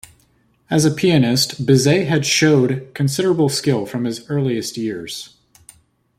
As a pianist, Bizet had showed considerable skill from his earliest years.